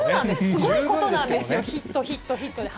すごいことなんですよ、ヒット、ヒット、ヒットで。